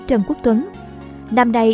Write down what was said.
trần quốc tuấn năm nay